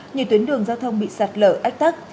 nhiều tuyến đường giao thông bị sạt lở ách tắc